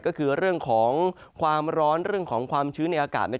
ก็คือเรื่องของความร้อนเรื่องของความชื้นในอากาศ